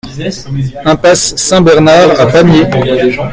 Impasse Saint-Bernard à Pamiers